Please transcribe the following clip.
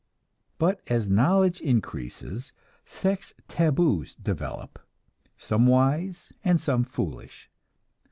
But as knowledge increases, sex "tabus" develop, some wise, and some foolish.